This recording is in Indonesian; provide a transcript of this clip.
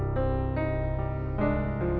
malin jangan lupa